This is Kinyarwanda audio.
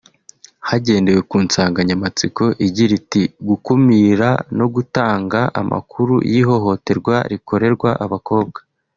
Hagendewe ku nsanganyamatsiko igira iti “gukumira no gutanga amakuru y’ihohoterwa rikorerwa abakobwa”